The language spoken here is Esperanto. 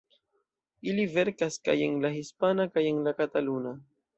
Ili verkas kaj en la hispana kaj en la kataluna.